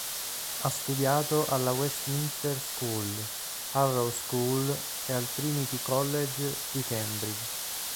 Ha studiato alla Westminster School, Harrow School e al Trinity College di Cambridge.